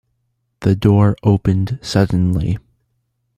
The door opened suddenly.